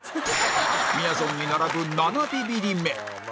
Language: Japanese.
みやぞんに並ぶ７ビビリ目